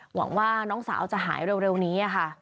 หวังว่าน้องสาวจะหายเร็วนี้ค่ะ